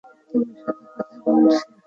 তোর সাথে কথা বলছি।